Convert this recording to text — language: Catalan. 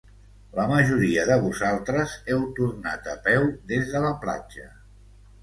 La majoria de vosaltres heu tornat a peu des de la platja.